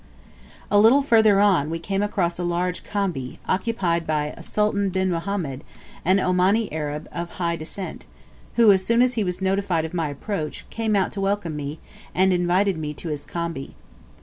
A little further on we came across a large khambi, occupied by Sultan bin Mohammed, an Omani Arab of high descent, who, as soon as he was notified of my approach, came out to welcome me, and invite me to his khambi.